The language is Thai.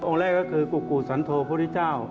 องค์แรกก็คือกุกุสันโทพระพุทธเจ้า